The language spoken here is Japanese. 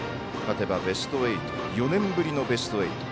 勝てばベスト８４年ぶりのベスト８。